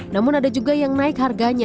namun ada juga yang naik harganya